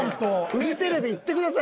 フジテレビ行ってください。